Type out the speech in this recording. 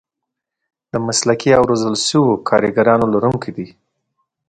د مسلکي او روزل شوو کارګرانو لرونکي دي.